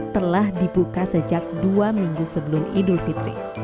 telah dibuka sejak dua minggu sebelum idul fitri